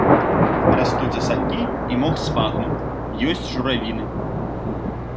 Растуць асакі і мох сфагнум, ёсць журавіны.